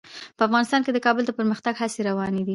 په افغانستان کې د کابل د پرمختګ هڅې روانې دي.